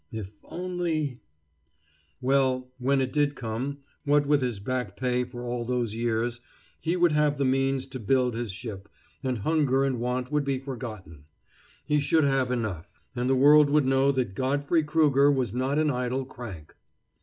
If only Well, when it did come, what with his back pay for all those years, he would have the means to build his ship, and hunger and want would be forgotten. He should have enough. And the world would know that Godfrey Krueger was not an idle crank.